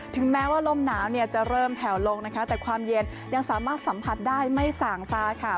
ถึงแม้ว่าลมหนาวเนี่ยจะเริ่มแผ่วลงนะคะแต่ความเย็นยังสามารถสัมผัสได้ไม่ส่างซาค่ะ